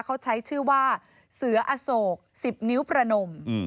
เขาใช้ชื่อว่าเสืออโศก๑๐นิ้วประนม